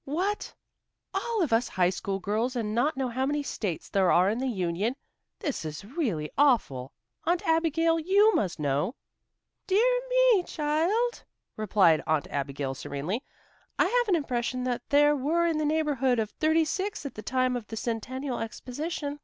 "What! All of us high school girls and not know how many states there are in the Union! This is really awful. Aunt Abigail, you must know." "Dear me, child," replied Aunt Abigail serenely, "I have an impression that there were in the neighborhood of thirty six at the time of the Centennial Exposition.